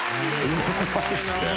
うまいっすね。